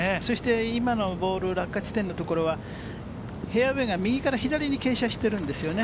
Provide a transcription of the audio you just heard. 今のボール、落下地点のところはフェアウエーが右から左に傾斜してるんですよね。